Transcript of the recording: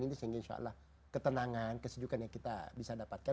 dan kalau itu kita lakukan itu adalah ketenangan kesejukan yang kita dapatkan